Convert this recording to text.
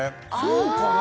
そうかな？